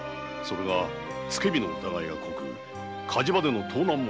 「つけ火」の疑いが濃く火事場での盗難も。